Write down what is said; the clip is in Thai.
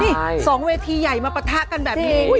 นี่๒เวทีใหญ่มาปะทะกันแบบนี้